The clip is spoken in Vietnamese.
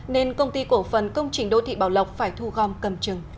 nên công ty cổ phần công trình đô thị bảo lộc phải thu gom cầm chừng